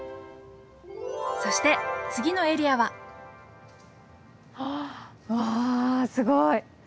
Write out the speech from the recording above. そして次のエリアはあっわすごい！